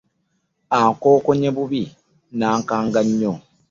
Akonkonye bubi n'ankanga nnyo .